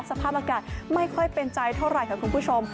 สภาพอากาศไม่ค่อยเป็นใจเท่าไหร่ค่ะคุณผู้ชม